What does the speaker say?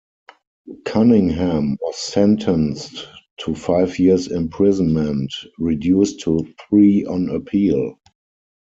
Cunningham was sentenced to five years imprisonment, reduced to three on appeal.